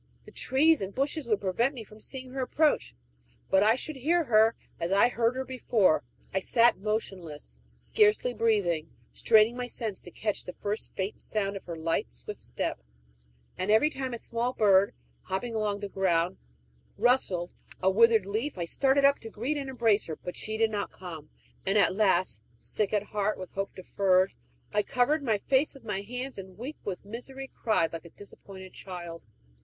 The trees and bushes would prevent me from seeing her approach, but I should hear her, as I had heard her before. I sat motionless, scarcely breathing, straining my sense to catch the first faint sound of her light, swift step; and every time a small bird, hopping along the ground, rustled a withered leaf, I started up to greet and embrace her. But she did not come; and at last, sick at heart with hope deferred, I covered my face with my hands, and, weak with misery, cried like a disappointed child.